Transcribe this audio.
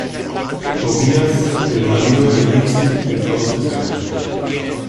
Tobias, el marido de Lindsay, entonces entra.